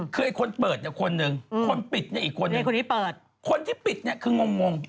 คือคนเปิดเปิดคนนึง